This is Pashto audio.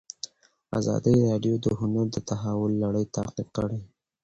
ازادي راډیو د هنر د تحول لړۍ تعقیب کړې.